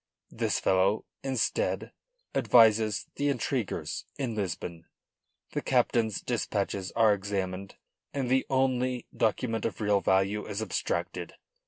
This fellow, instead, advises the intriguers in Lisbon. The captain's dispatches are examined and the only document of real value is abstracted.